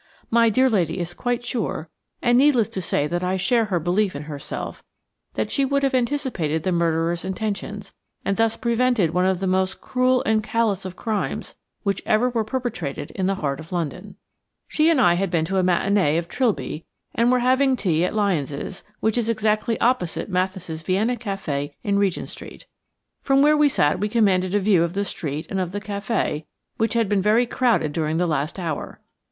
My dear lady is quite sure–and needless to say that I share her belief in herself–that she would have anticipated the murderer's intentions, and thus prevented one of the most cruel and callous of crimes which were ever perpetrated in the heart of London. She and I had been to a matinée of "Trilby," and were having tea at Lyons', which is exactly opposite Mathis' Vienna café in Regent Street. From where we sat we commanded a view of the street and of the café, which had been very crowded during the last hour.